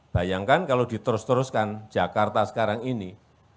bayangkan kalau diterus teruskan jakarta sekarang ini